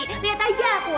lihat aja aku